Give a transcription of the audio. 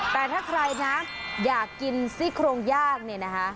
แต่ถ้าใครนะอยากกินซี่โครงย่างเนี่ยนะคะ